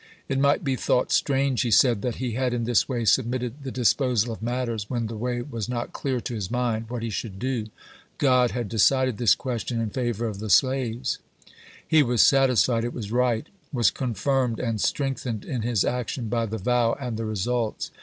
It might be thought strange, he said, that he had in this way submitted the disposal of matters when the way was not clear to his mind what he should do. God had decided this question in favor of the slaves. He was satisfied it was right — was confirmed and strength ened in his action by the vow and the results.